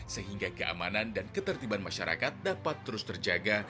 sehingga keamanan dan ketertiban masyarakat dapat terus terjaga